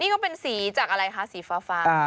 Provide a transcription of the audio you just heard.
นี่ก็เป็นสีจากอะไรคะสีฟ้า